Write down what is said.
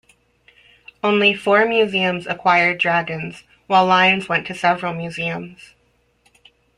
Only four museums acquired dragons, while lions went to several museums.